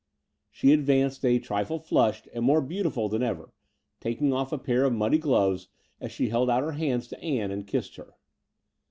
She advanced a trifle flushed and more beautiful than ever, taking off a pair of muddy gloves as she held out her hands to Ann and kissed her.